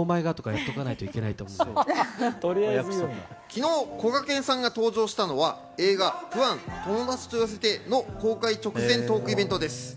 昨日、こがけんさんが登場したのは映画『プアン／友だちと呼ばせて』の公開直前トークイベントです。